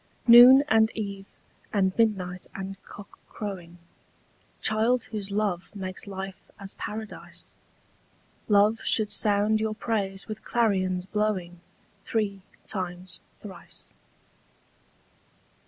Noon and eve and midnight and cock crowing, Child whose love makes life as paradise, Love should sound your praise with clarions blowing Three times thrice.